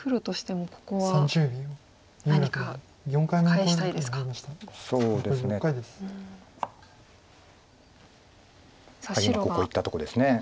今ここいったとこです。